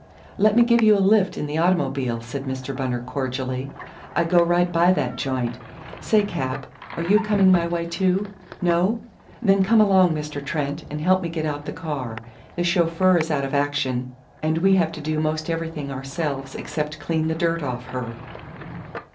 "Let me give you a lift in the automobile," said Mr. Bunner cordially. "I go right by that joint. Say, Cap, are you coming my way, too? No? Then come along, Mr. Trent, and help me get out the car. The chauffeur is out of action, and we have to do 'most everything ourselves except clean the dirt off her."